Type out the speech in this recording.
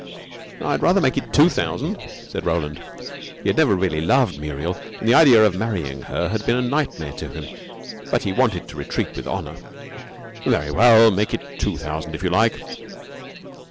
"I'd rather make it two thousand," said Roland. He had never really loved Muriel, and the idea of marrying her had been a nightmare to him; but he wanted to retreat with honor. "Very well, make it two thousand, if you like.